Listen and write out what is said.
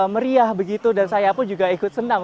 meriah begitu dan saya pun juga ikut senang